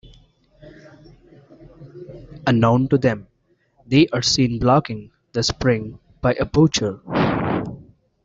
Unknown to them, they are seen blocking the spring by a poacher.